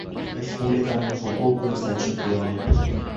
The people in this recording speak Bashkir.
Республиканың футбол буйынса чемпионы